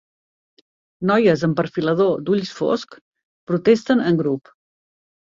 Noies amb perfilador d'ulls fosc protesten en grup.